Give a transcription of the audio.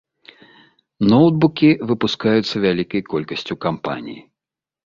Ноўтбукі выпускаюцца вялікай колькасцю кампаній.